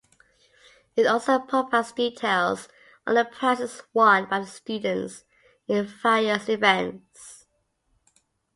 It also provides details on the prizes won by the students in various events.